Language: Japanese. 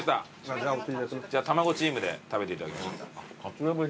じゃあ卵チームで食べていただきましょう。